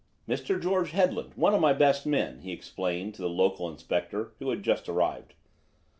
"Mr. George Headland, one of my best men," he explained to the local inspector, who had just arrived.